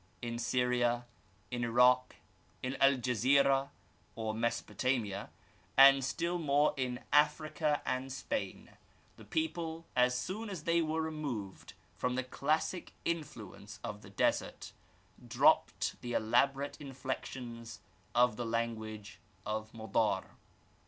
In Syria, in Irak, in El jezireh or Mesopotamia, and still more in Africa and Spain, the people, as soon as they were removed from the classic influence of the desert, dropped the elaborate inflections of the language of Modar.